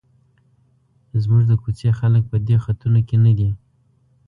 زموږ د کوڅې خلک په دې خطونو کې نه دي.